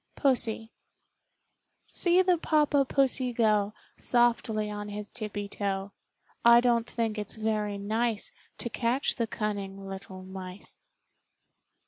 Pussy See the Papa Pussy go Softly on his tippie toe. I don t think it's very nice To catch the cunning little mice.